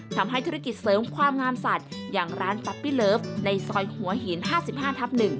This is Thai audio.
ทำให้ธุรกิจเสริมความงามสัตว์อย่างร้านป๊อปปี้เลิฟในซอยหัวหิน๕๕ทับ๑